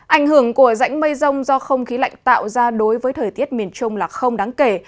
ảnh hưởng của rãnh mây rông do không khí lạnh tạo ra đối với thời tiết miền trung là không đáng kể